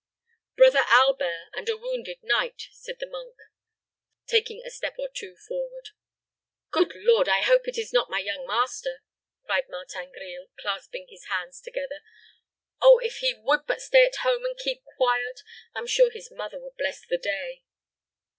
"Brother Albert and a wounded knight," said the monk, taking a step or two forward. "Good Lord! I hope it is not my young master," cried Martin Grille, clasping his hands together. "Oh, if he would but stay at home and keep quiet! I am sure his mother would bless the day."